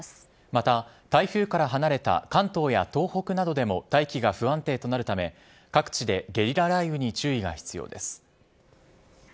また、台風から離れた関東や東北などでも大気が不安定となるため、各地でゲリラ雷雨に注意が必要です。